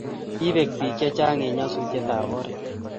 Kipek pik che chanh en nyasutet ab oret